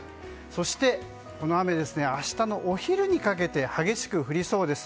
そして、この雨は明日のお昼にかけて激しく降りそうです。